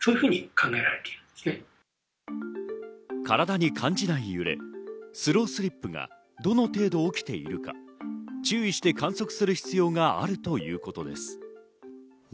体に感じない揺れ、スロースリップがどの程度起きているか注意して観測する必要があるということです。